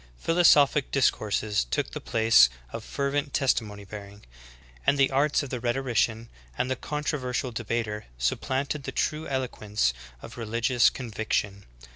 Philosophic discourses took the place of fervent testimony bearing, and the arts of the rhetorician and con troversial debater supplanted the true eloquence of relig ious conviction.